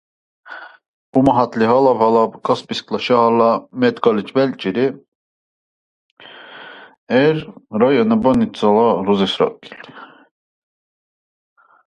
Умагьатли гьалабван Каспийск шагьарла медколледж белчӀири ва районна больницализи рузес ракӀилри.